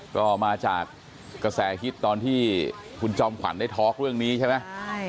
ก็มาจากกระแสฮิตตอนที่คุณจอมขวัญได้ทอล์กเรื่องนี้ใช่ไหม